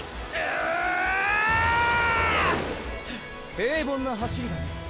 平凡な走りだね。